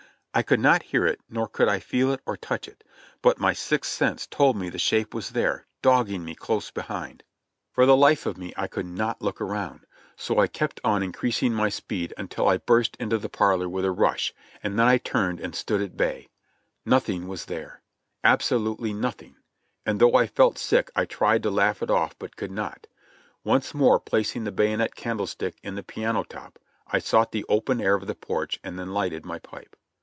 I could not hear it nor could I feel it or touch it; but my sixth sense told me the shape was there, dogging me close behind. THE GHOST OF CHANTILLY 93 For the life of me I could not look around, so I kept on in creasing my speed until I burst into the parlor with a rush, and then I turned and stood at bay. Nothing was there ! Absolutely nothing; and though I felt sick I tried to laugh it ofif but could not. Once more placing the bayonet candlestick in the piano top, I sought the open air of the porch and then lighted my pipe.